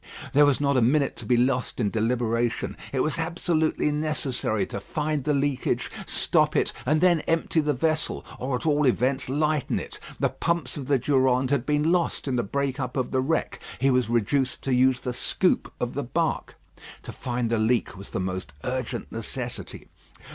There was not a minute to be lost in deliberation. It was absolutely necessary to find the leakage, stop it, and then empty the vessel, or at all events, lighten it. The pumps of the Durande had been lost in the break up of the wreck. He was reduced to use the scoop of the bark. To find the leak was the most urgent necessity.